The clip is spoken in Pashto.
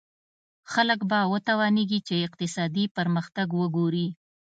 خلک به وتوانېږي چې اقتصادي پرمختګ وګوري.